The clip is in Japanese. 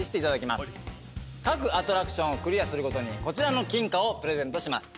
各アトラクションをクリアするごとにこちらの金貨をプレゼントします。